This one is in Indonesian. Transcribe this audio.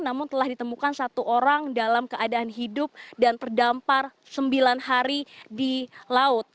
namun telah ditemukan satu orang dalam keadaan hidup dan terdampar sembilan hari di laut